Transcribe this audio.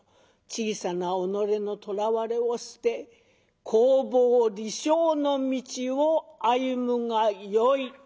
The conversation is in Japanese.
小さな己のとらわれを捨て興法利生の道を歩むがよい」。